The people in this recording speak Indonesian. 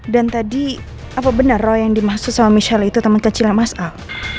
dan tadi apa benar roy yang dimaksud sama michelle itu teman kecilnya mas al